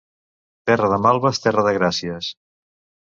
Terra de malves, terra de gràcies.